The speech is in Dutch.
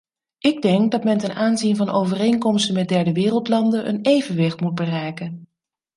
Ik denk dat men ten aanzien van overeenkomsten met derdewereldlanden een evenwicht moet bereiken.